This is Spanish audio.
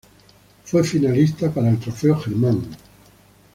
Fue finalista para el Trofeo Hermann.